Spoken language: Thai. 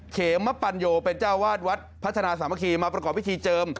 เขมปัญโยเป็นเจ้าวาดวัดพัฒนาสามัคคีมาประกอบพิธีเจิม